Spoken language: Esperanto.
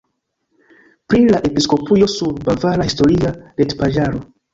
Pri la episkopujo sur bavara historia retpaĝaro.